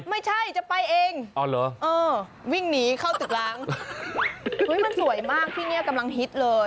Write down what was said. ไม่ใช่จะไปเองวิ่งหนีเข้าตึกล้างมันสวยมากที่นี่กำลังฮิตเลย